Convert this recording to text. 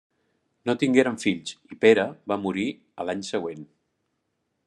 No tingueren fills i Pere va morir a l'any següent.